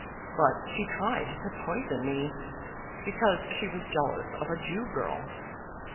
But she tried to poison me, because she was jealous of a Jew girl.